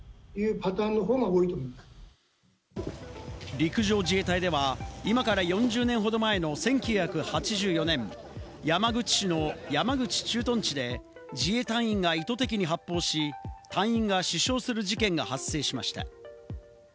陸上自衛隊では、今から４０年ほど前の１９８４年、山口市の山口駐屯地で自衛隊員が意図的に発砲し、隊員が死傷する事件が発生しました。